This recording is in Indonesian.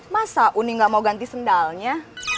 masa uni gak mau ganti sendalnya